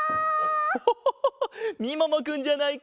オホホホみももくんじゃないか。